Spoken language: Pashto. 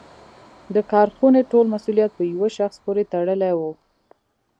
د کارخونې ټول مسوولیت په یوه شخص پورې تړلی و.